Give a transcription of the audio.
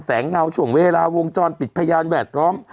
เงาช่วงเวลาวงจรปิดพยานแวดล้อม